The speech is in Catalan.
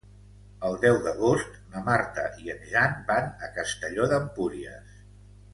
El deu d'agost na Marta i en Jan van a Castelló d'Empúries.